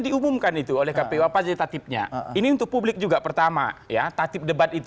diumumkan itu oleh kpu apa jadi tak tipnya ini untuk publik juga pertama ya tak tip debat itu